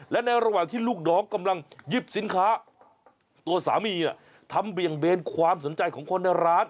และในระหว่างที่ลูกน้องกำลังหยิบสินค้าตัวสามีทำเบี่ยงเบนความสนใจของคนในร้าน